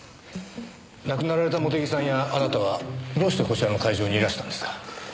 亡くなられた茂手木さんやあなたはどうしてこちらの会場にいらしたんですか？